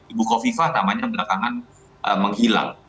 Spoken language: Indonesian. ibu kofifah namanya belakangan menghilang